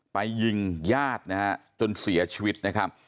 ไปยิงญาตินะฮะจนเสียชีวิตนะครับ